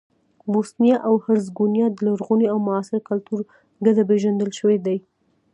بوسنیا او هرزګوینا د لرغوني او معاصر کلتور ګډه پېژندل شوې ده.